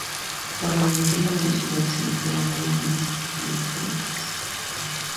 Para aumentar la velocidad se emplean varias líneas telefónicas.